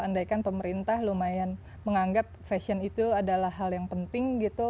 andaikan pemerintah lumayan menganggap fashion itu adalah hal yang penting gitu